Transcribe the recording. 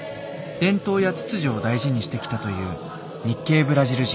伝統や秩序を大事にしてきたという日系ブラジル人。